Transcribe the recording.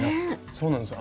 そうなんです